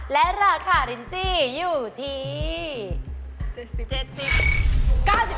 และราคารินจี้อยู่ที่